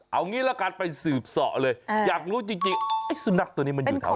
เอางี้ละกันไปสืบสอเลยอยากรู้จริงไอ้สุนัขตัวนี้มันอยู่แถว